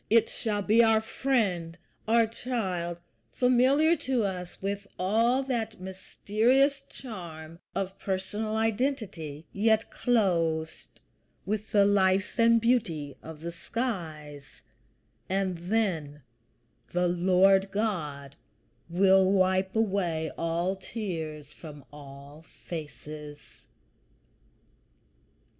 It shall be our friend, our child, familiar to us with all that mysterious charm of personal identity, yet clothed with the life and beauty of the skies; and then the Lord God will wipe away all tears from all faces.